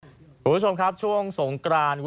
สวัสดีคุณผู้ชมครับช่วงสงกราน